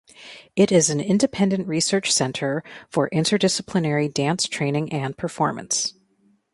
It is an independent research centre for interdisciplinary dance training and performance.